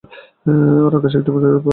আর আকাশে একটিমাত্র পাখি উড়ে যাচ্ছে।